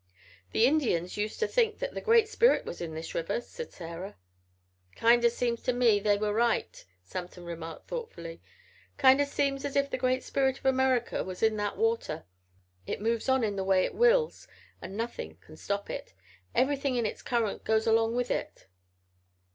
"The Indians used to think that the Great Spirit was in this river," said Sarah. "Kind o' seems to me they were right," Samson remarked thoughtfully. "Kind o' seems as if the great spirit of America was in that water. It moves on in the way it wills and nothing can stop it. Everything in its current goes along with it.